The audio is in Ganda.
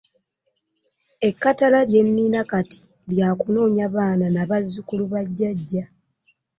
Ekkatala lye nnina kati lya kunoonya baana na bazzukulu ba jjajja.